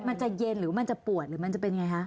มันจะเย็นหรือมันจะปวดหรือมันจะเป็นไงคะ